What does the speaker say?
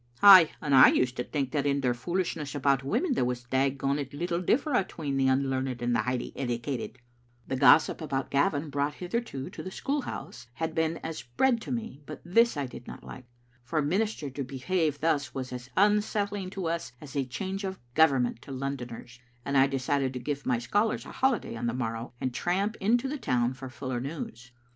Ay, and I used to think that in their foolishness about women there was dagont little differ atween the un Unrned and the highly edicat^d." Digitized by VjOOQ IC yft0t Sermon B^aiitdt Tnomeit tr The gossip about Gavin brought hitherto to the school • house had been as bread to me, but this I did not like. For a minister to behave thus was as unsettling to us as a change of Government to Londoners, and I decided to give my scholars a holiday on the morrow and tramp into the town for fuller news.